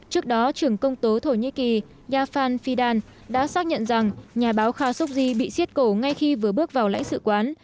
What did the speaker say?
trước đó trưởng công tố thổ nhĩ kỳ yafan fidan đã xác nhận rằng nhà báo khashoggi bị xiết cổ ngay khi vừa bước vào lãnh sự quán